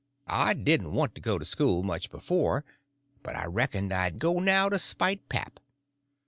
I didn't want to go to school much before, but I reckoned I'd go now to spite pap.